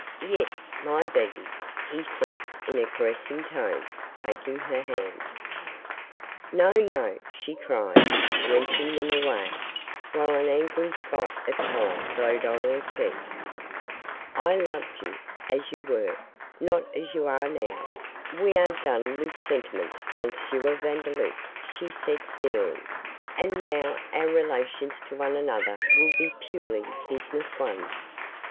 'Yes, my Bebe,' he said, in a caressing tone, taking her hand. 'No! no,' she cried, wrenching them away, while an angry spot of colour glowed on her cheek, 'I loved you as you were not as you are now we are done with sentiment, M. Vandeloup,' she said, sneering, 'and now our relations to one another will be purely business ones.